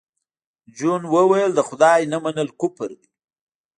جون وویل د خدای نه منل کفر دی